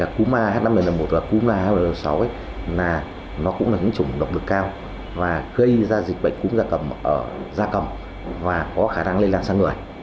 cúm ah năm n sáu cũng là chủng độc lực cao gây ra dịch bệnh cúm da cầm và có khả năng lây lan sang người